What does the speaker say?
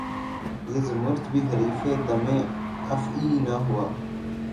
یہ زمّرد بھی حریفِ دمِ افعی نہ ہوا